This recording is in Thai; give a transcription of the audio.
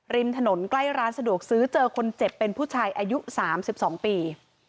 ริมถนนใกล้ร้านสะดวกซื้อเจอคนเจ็บเป็นผู้ชายอายุ๓๒ปี